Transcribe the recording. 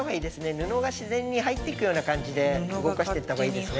布が自然に入っていくような感じで動かしていった方がいいですね。